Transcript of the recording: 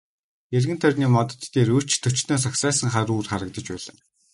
Эргэн тойрны модод дээр өч төчнөөн сагсайсан хар үүр харагдаж байлаа.